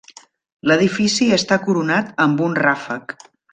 L'edifici està coronat amb un ràfec.